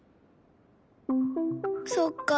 そっか。